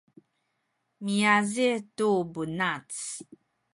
miazih tu bunac